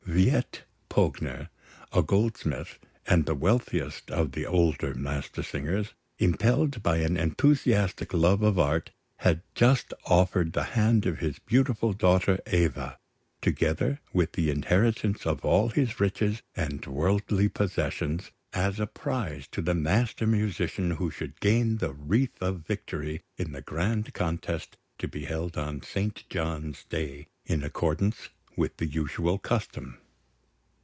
Veit Pogner, a goldsmith, and the wealthiest of the older Mastersingers, impelled by an enthusiastic love of art, had just offered the hand of his beautiful daughter, Eva, together with the inheritance of all his riches and worldly possessions, as a prize to the master musician who should gain the wreath of victory in the grand contest to be held on St. John's Day, in accordance with the usual custom.